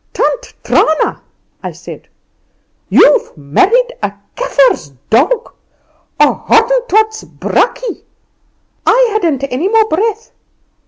'Tant Trana,' I said, 'you've married a Kaffer's dog, a Hottentot's brakje.' I hadn't any more breath.